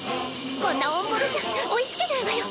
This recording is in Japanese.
こんなオンボロじゃ追いつけないわよ。